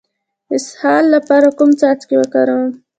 د اسهال لپاره کوم څاڅکي وکاروم؟